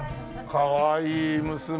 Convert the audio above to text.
かわいい娘で。